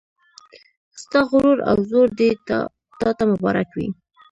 ستا غرور او زور دې تا ته مبارک وي